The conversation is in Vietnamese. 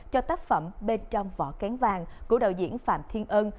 cho tác phẩm bên trong vỏ kén vàng của đạo diễn phạm thiên ân